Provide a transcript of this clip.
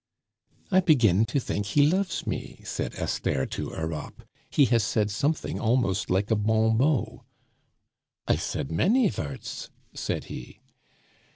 "I begin to think he loves me," said Esther to Europe; "he has said something almost like a bon mot." "I said many vorts," said he.